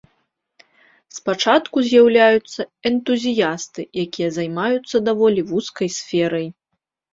Спачатку з'яўляюцца энтузіясты, якія займаюцца даволі вузкай сферай.